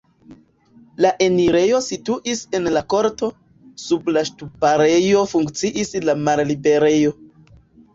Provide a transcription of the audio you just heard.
La enirejo situis en la korto, sub la ŝtuparejo funkciis la malliberejo.